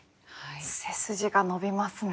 背筋が伸びますね。